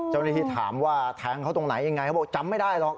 เจ้าหน้าที่ถามว่าแทงเขาตรงไหนยังไงเขาบอกจำไม่ได้หรอก